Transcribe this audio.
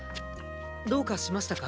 どうかしましたか？